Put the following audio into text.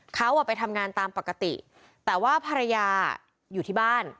เขาไปทำงานตามปกติแต่ว่าภรรยาอยู่ที่บ้าน